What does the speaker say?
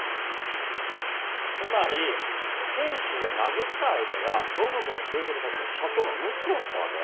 つまり賢秀が殴った相手が暢子の就職先の社長の息子だったわけ？